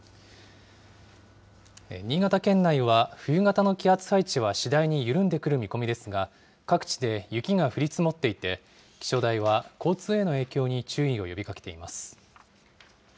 新潟県内は冬型の気圧配置は次第に緩んでくる見込みですが、各地で雪が降り積もっていて、気象台は交通への影響に注意を呼びかけています。